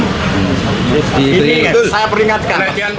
ini saya peringatkan